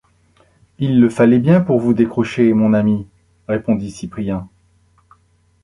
Il le fallait bien pour vous décrocher, mon ami! répondit Cyprien.